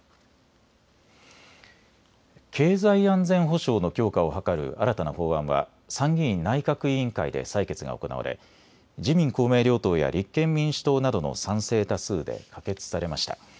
経済安全保障の強化を図る新たな法案は参議院内閣委員会で採決が行われ自民公明両党や立憲民主党などの賛成多数で可決されました。